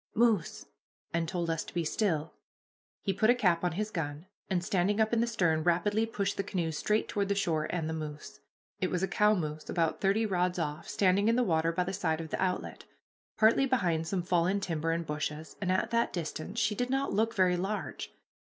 moose!" and told us to be still. He put a cap on his gun, and, standing up in the stern, rapidly pushed the canoe straight toward the shore and the moose. It was a cow moose, about thirty rods off, standing in the water by the side of the outlet, partly behind some fallen timber and bushes, and at that distance she did not look very large.